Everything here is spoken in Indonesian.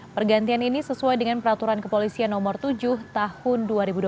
pergantian ini sesuai dengan peraturan kepolisian nomor tujuh tahun dua ribu dua puluh